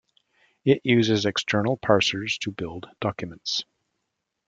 It uses external parsers to build documents.